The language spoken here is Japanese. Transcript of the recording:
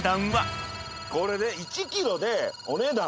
これ１ｋｇでお値段。